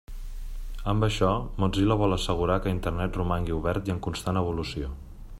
Amb això, Mozilla vol assegurar que Internet romangui obert i en constant evolució.